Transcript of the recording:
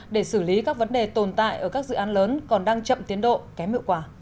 để xử lý các vấn đề tồn tại ở các dự án lớn còn đang chậm tiến độ kém hiệu quả